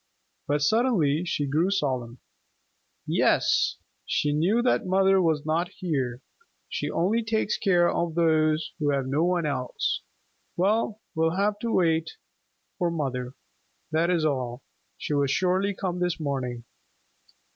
But suddenly she grew solemn. "Yes, she knew that mother was not here. She only takes care of those who have no one else. Well, we will have to wait for mother, that is all. She will surely come this morning."